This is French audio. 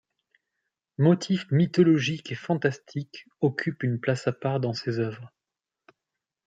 Motifs mythologiques et fantastiques occupent une place à part dans ses œuvres.